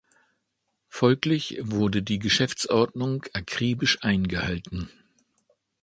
Folglich wurde die Geschäftsordnung akribisch eingehalten.